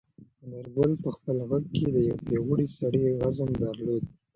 انارګل په خپل غږ کې د یو پیاوړي سړي عزم درلود.